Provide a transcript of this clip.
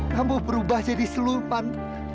kamu berubah jadi siluman